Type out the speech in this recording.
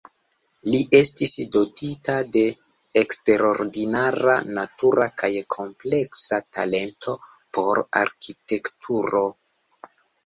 Li estis dotita de eksterordinara, natura kaj kompleksa talento por arkitekturo.